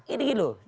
ini gini loh